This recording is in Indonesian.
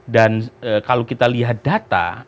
dan kalau kita lihat data